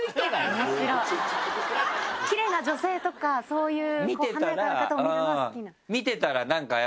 きれいな女性とかそういう華やかな方を見るのが好き？